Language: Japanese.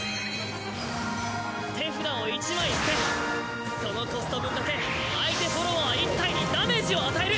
手札を１枚捨てそのコスト分だけ相手フォロワー１体にダメージを与える。